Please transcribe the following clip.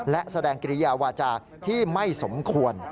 และแสดงกิริยาวาจาที่ไม่สมควร